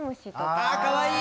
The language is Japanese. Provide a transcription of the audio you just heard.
あかわいい！